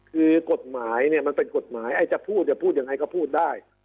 คือกฎหมายมันเป็นกฎหมายใช้จะพูดอย่างไรก็พูดได้